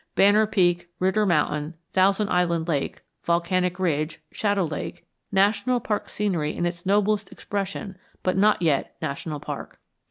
Banner Peak, Ritter Mountain, Thousand Island Lake, Volcanic Ridge, Shadow Lake national park scenery in its noblest expression, but not yet national park.